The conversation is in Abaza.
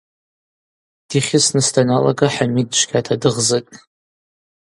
Дихьысныс даналага Хӏамид чвгьата дыгъзытӏ.